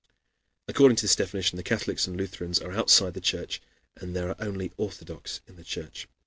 According to this definition the Catholics and Lutherans are outside the Church, and there are only Orthodox in the Church.